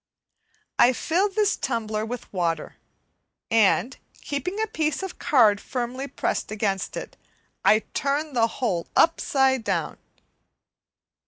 I fill this tumbler with water, and keeping a piece of card firmly pressed against it, I turn the whole upside down.